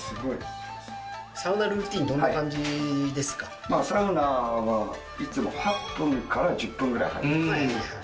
サウナルーティン、どんな感じでサウナはいつも８分から１０分ぐらい入ります。